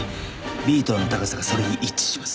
Ｂ棟の高さがそれに一致します。